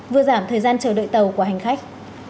vừa giảm thời gian chờ đợi tàu của hành khách